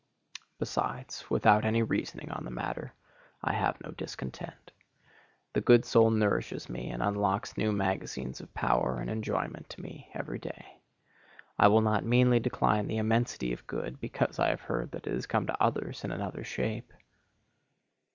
Besides, without any reasoning on the matter, I have no discontent. The good soul nourishes me and unlocks new magazines of power and enjoyment to me every day. I will not meanly decline the immensity of good, because I have heard that it has come to others in another shape.